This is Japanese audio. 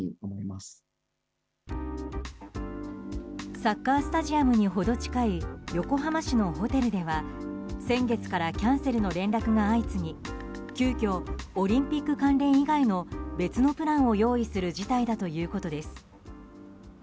サッカースタジアムに程近い横浜市のホテルでは先月からキャンセルの連絡が相次ぎ急きょ、オリンピック関連以外の別のプランを用意する事態だということです。